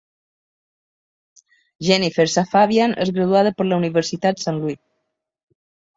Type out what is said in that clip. Jennifer Safavian és graduada per la Universitat Saint Louis.